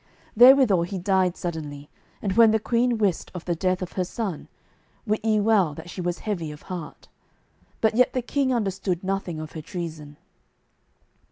Therewithal he died suddenly, and when the queen wist of the death of her son, wit ye well that she was heavy of heart. But yet the king understood nothing of her treason.